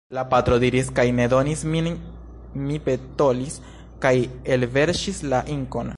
La patro ridis kaj ne donis min, mi petolis kaj elverŝis la inkon.